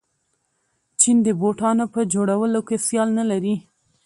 چین د بوټانو په جوړولو کې سیال نلري.